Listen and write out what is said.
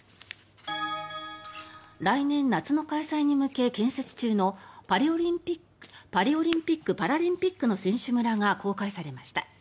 来年夏の開催に向け建設中のパリオリンピック・パラリンピックの選手村が公開されました。